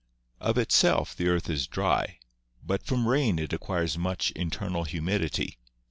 "Of itself, the earth is dry, but from rain it acquires much internal humidity.